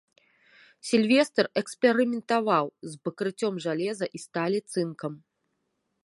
Сільвестр эксперыментаваў з пакрыццём жалеза і сталі цынкам.